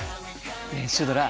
ねえシュドラ。